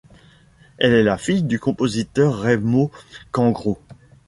Elle est la fille du compositeur Raimo Kangro.